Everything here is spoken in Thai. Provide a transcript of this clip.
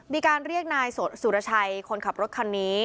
มีการเรียกนายสุรชัยคนขับรถคันนี้